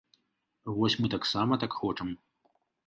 Вось мы таксама так хочам.